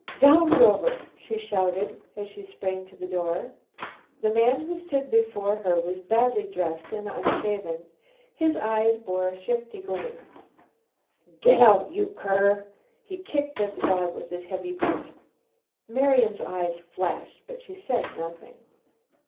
"Down, Rover!" she shouted, as she sprang to the door. The man who stood before her was badly dressed and unshaven. His eyes bore a shifty gleam. "Get out, you cur!" He kicked at the dog with his heavy boot. Marian's eyes flashed, but she said nothing.